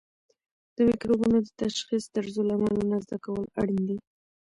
د مکروبونو د تشخیص طرزالعملونه زده کول اړین دي.